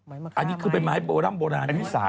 อันนี้คือเป็นไม้โบราณ